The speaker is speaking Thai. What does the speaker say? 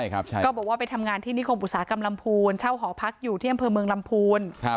ก็บอกว่าไปทำงานที่นิคมอุตสาหกรรมลำพูนเช่าหอพักอยู่ที่อำเภอเมืองลำพูน